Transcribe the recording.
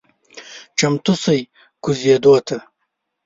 چمتو شئ کوزیدو ته…